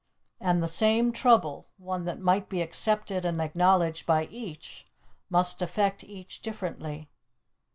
And the same trouble, one that might be accepted and acknowledged by each, must affect each differently.